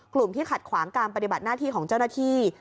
กลุ่มที่ขัดขวางการปฏิบัติหน้าที่ของเจ้าหน้าที่